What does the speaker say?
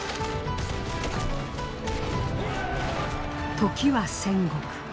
時は戦国。